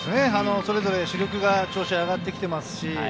それぞれ主力の調子が上がってきていますし。